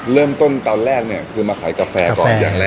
เริ่มต้นตอนแรกเนี่ยคือมาขายกาแฟก่อนอย่างแรก